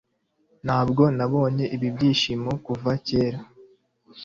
Ntabwo nabonye ibi byishimo kuva kera.